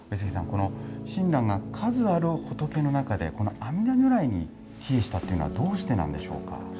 この親鸞が数ある仏の中で、この阿弥陀如来に帰依したというのはどうしてなんでしょうか。